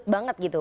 pengen banget gitu